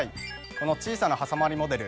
この小さなはさまりモデル